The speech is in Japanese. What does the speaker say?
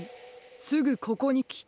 すぐここにきて！」。